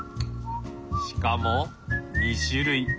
しかも２種類。